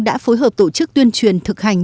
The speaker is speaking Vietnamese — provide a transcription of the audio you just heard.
đã phối hợp tổ chức tuyên truyền thực hành